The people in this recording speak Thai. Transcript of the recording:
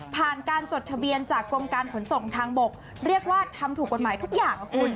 ผ่านการจดทะเบียนจากกรมการขนส่งทางบกเรียกว่าทำถูกกฎหมายทุกอย่างนะคุณ